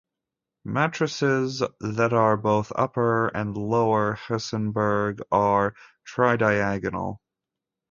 Matrices that are both upper and lower Hessenberg are tridiagonal.